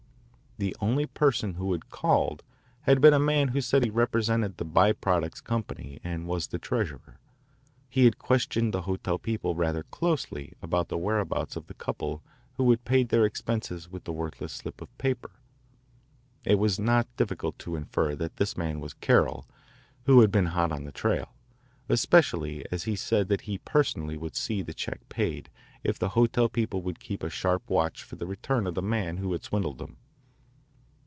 The only person who had called had been a man who said he represented the By Products Company and was the treasurer. He had questioned the hotel people rather closely about the whereabouts of the couple who had paid their expenses with the worthless slip of paper. It was not difficult to infer that this man was Carroll who had been hot on the trail, especially as he said that he personally would see the check paid if the hotel people would keep a sharp watch for the return of the man who had swindled them.